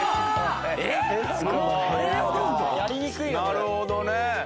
なるほどね！